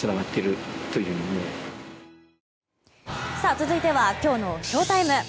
続いてはきょうのＳＨＯＴＩＭＥ。